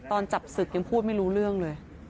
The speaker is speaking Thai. ตอนจับศึกยังพูดไม่รู้เรื่องเลย